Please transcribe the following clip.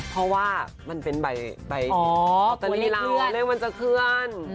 เพราะว่ามันเป็นใบลอตเตอรี่เราเลขมันจะเคลื่อน